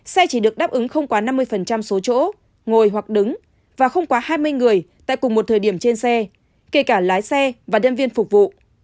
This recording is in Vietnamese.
xe chỉ được đáp ứng không quá năm mươi số chỗ ngồi hoặc đứng và không quá hai mươi người tại cùng một thời điểm trên xe kể cả lái xe và nhân viên phục vụ